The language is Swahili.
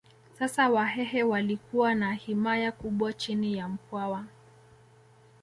Sasa Wahehe walikuwa na himaya kubwa chini ya Mkwawa